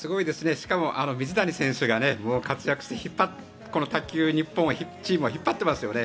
しかも水谷選手が活躍して卓球日本チームを引っ張ってますよね。